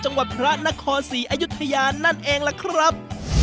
จังหวัดพระนครศรีอยุธยานั่นเองล่ะครับ